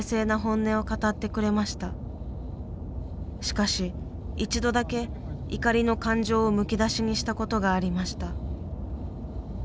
しかし一度だけ怒りの感情をむき出しにしたことがありました。